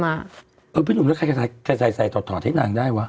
ไม่รู้ว่าใครใส่ถอดเทคนาลังได้วะ